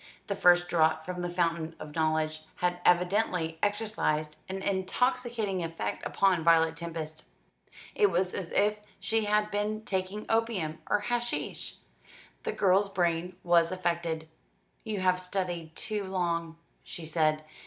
The first draught from the fountain of knowledge had evidently exercised an intoxicating effect upon Violet Tempest. It was as if she had been taking opium or hashish. The girl's brain was affected. "You have studied too long," she said.